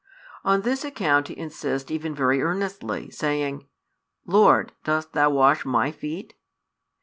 On this account he insists even very earnestly, saying: Lord, dost Thou wash my feet?